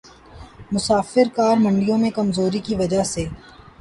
مسافر کار منڈیوں میں کمزوری کی وجہ سے